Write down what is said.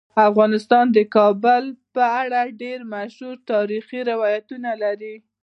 افغانستان د کابل په اړه ډیر مشهور تاریخی روایتونه لري.